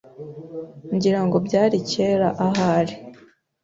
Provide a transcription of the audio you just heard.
Ngira ngo byari kera ahari